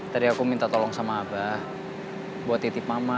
tadi aku minta tolong sama abah buat titip mama